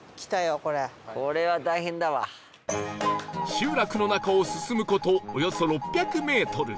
集落の中を進む事およそ６００メートル